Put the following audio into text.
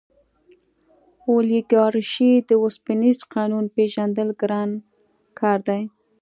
د اولیګارشۍ د اوسپنیز قانون پېژندل ګران کار دی.